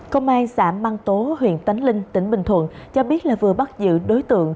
công an xã măng tố huyện tánh linh tỉnh bình thuận cho biết là vừa bắt giữ đối tượng